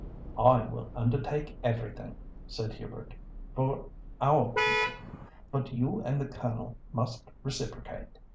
"I will undertake everything," said Hubert, "for our people, but you and the Colonel must reciprocate.